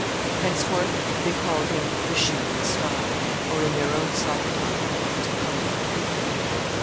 Henceforth they called him 'the shooting star,' or, in their own soft tongue, 'Tecumtha.'